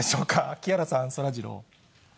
木原さん、そらジロー。